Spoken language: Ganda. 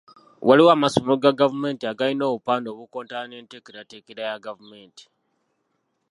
Waliwo amasomero ga gavumenti agalina obupande obukontana n’enteekerateekera ya gavumenti.